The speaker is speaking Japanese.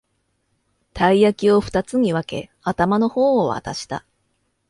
たい焼きをふたつに分け、頭の方を渡した